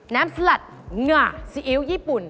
น้ำสลัดงาญี่ปุ่น